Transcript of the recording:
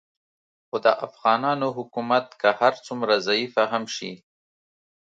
خو د افغانانو حکومت که هر څومره ضعیفه هم شي